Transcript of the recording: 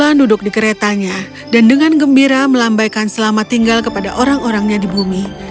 dia duduk di keretanya dan dengan gembira melambaikan selamat tinggal kepada orang orangnya di bumi